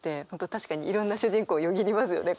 確かにいろんな主人公よぎりますよね。